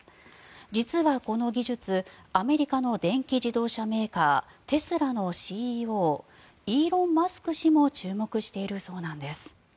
実はこの技術アメリカの電気自動車メーカーテスラのＣＥＯイーロン・マスク氏も注目しているそうなんです。